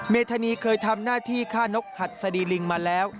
เมธานีเคยทำหน้าที่ฆ่านกหัดสดีลิงมาแล้ว